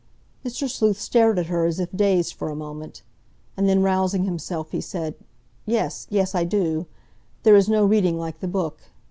Mr. Sleuth stared at her as if dazed for a moment; and then, rousing himself, he said, "Yes, yes, I do. There is no reading like the Book.